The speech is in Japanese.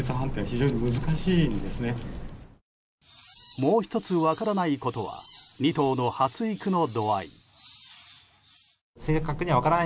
もう１つ、分からないことは２頭の発育の度合い。